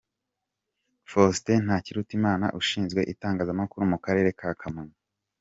Faustin Ntakirutimana ushnziwe itangazamakuru mu Karere ka Kamonyi .